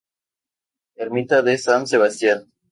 Ermita de San Sebastián.